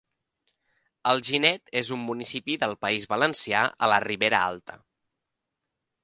Alginet és un municipi del País Valencià a la Ribera Alta.